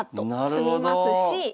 詰みますし。